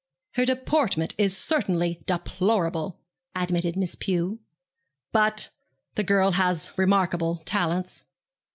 'Her deportment is certainly deplorable,' admitted Miss Pew; 'but the girl has remarkable talents.'